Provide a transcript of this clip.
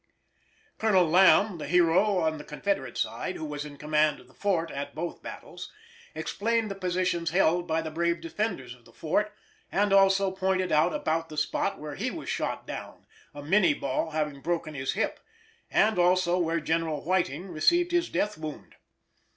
Colonel Lamb, the hero on the Confederate side, who was in command of the fort at both battles, explained the positions held by the brave defenders of the fort, and also pointed out about the spot where he was shot down, a Minie ball having broken his hip, and also where General Whiting received his death wound.